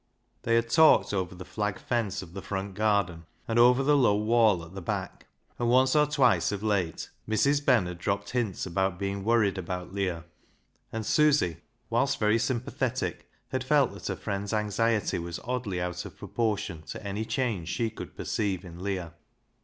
They had talked over the flag fence of the front garden, and over the low wall at the back, and once or twice of late Mrs. Ben had dropped hints about being worried about Leah ; and Susy, whilst very sympathetic, had felt that her friend's anxiety was oddly out of proportion to any change she could perceive in Leah.